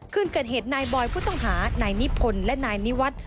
คืนเกิดเหตุนายบอยผู้ต้องหานายนิพนธ์และนายนิวัฒน์